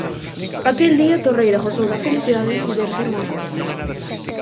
Aquel día Torreira gozou da felicidade de erguer unha copa.